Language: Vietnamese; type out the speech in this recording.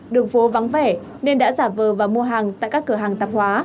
đường phố vắng vẻ nên đã giả vờ và mua hàng tại các cửa hàng tạp hóa